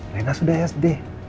rena sudah sd